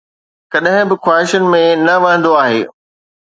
ڪڏهن به خواهشن ۾ نه وهندو آهي